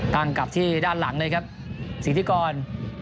ตั้งกับที่ด้านหลังเลยครับสิทธิกร